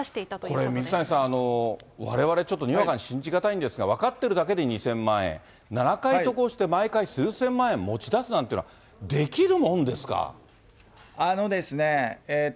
これ、水谷さん、われわれ、ちょっとにわかに信じ難いんですが、分かっているだけで２０００万円、７回渡航して、毎回数千万円持ち出すなんていうのはできるもんですか。